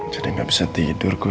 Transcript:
jadi gak bisa tidur gue